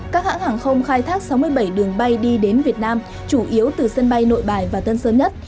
các hãng hàng không khai thác sáu mươi bảy đường bay đi đến việt nam chủ yếu từ sân bay nội bài và tân sơn nhất